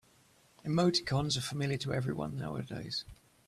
Emoticons are familiar to everyone nowadays.